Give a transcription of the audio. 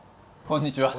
こんにちは。